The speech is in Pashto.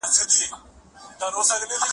د دوستانو قدر وکړئ.